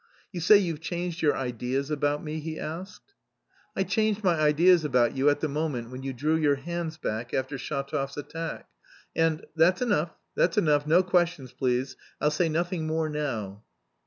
"You say you've changed your ideas about me?" he asked. "I changed my ideas about you at the moment when you drew your hands back after Shatov's attack, and, that's enough, that's enough, no questions, please, I'll say nothing more now."